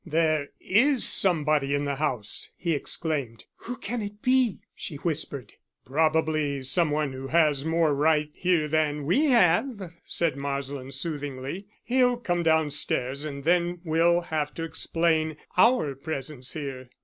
"There is somebody in the house," he exclaimed. "Who can it be?" she whispered. "Probably some one who has more right here than we have," said Marsland soothingly. "He'll come downstairs and then we'll have to explain our presence here."